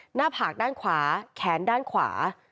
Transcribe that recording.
หน้าผากด้านขวาแขนด้านขวา